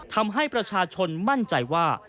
ทำให้ประชาชนมั่นใจว่า